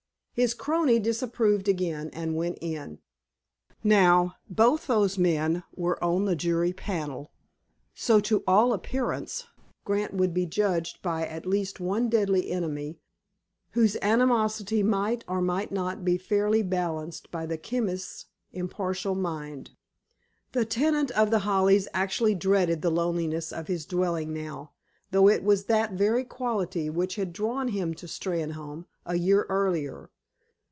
His crony disapproved again, and went in. Now, both those men were on the jury panel, so, to all appearance, Grant would be judged by at least one deadly enemy, whose animosity might or might not be fairly balanced by the chemist's impartial mind. The tenant of The Hollies actually dreaded the loneliness of his dwelling now, though it was that very quality which had drawn him to Steynholme a year earlier.